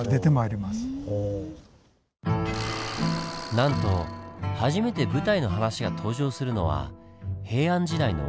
なんと初めて舞台の話が登場するのは平安時代の終わり。